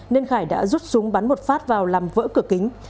nên khải đã rút súng bắn một phát vào làm vỡ cửa kính